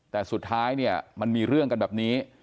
แต่สุดท้ายเนี่ยมันมีเรื่องกันแบบนี้